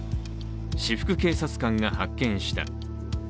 私服警察官が発見した。